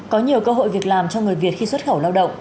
có nhiều cơ hội việc làm cho người việt khi xuất khẩu lao động